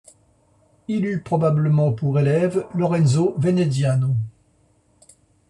Il eut probablement pour élève Lorenzo Veneziano.